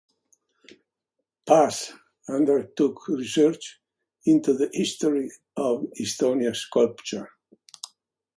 Paas undertook research into the history of Estonian sculpture.